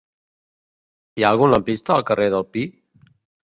Hi ha algun lampista al carrer del Pi?